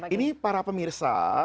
ini para pemirsa